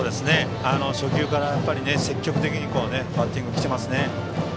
初球から積極的にバッティングしてますね。